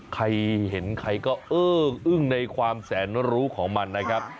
ใครเห็นใครก็เอออึ้งในความแสนรู้ของมันนะครับ